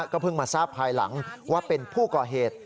ก็เพิ่งมาทราบภายหลังว่าเป็นผู้ก่อเหตุ